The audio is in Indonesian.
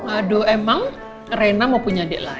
aduh emang reina mau punya adik lagi